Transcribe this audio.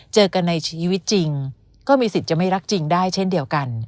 เจอกันในชีวิตจริงก็มีสิทธิ์จะไม่รักจริงได้เช่นเดียวกัน